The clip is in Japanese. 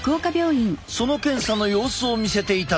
その検査の様子を見せていただく。